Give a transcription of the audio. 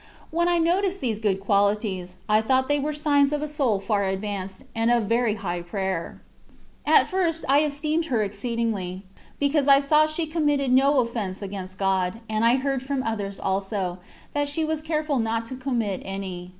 When I noticed these good qualities, I thought they were signs of a soul far advanced, and of very high prayer. At first, I esteemed her ex ceedingly, because I saw she committed no offence against God, and I heard £rom others also, that she was careful not to commit any.